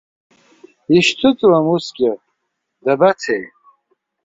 Ишьҭыҵуам усгьы, дабацеи?